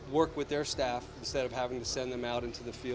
daripada harus mengirimnya ke bidang dan melakukan hal hal itu